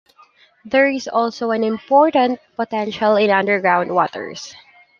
There is also an important potential in underground waters.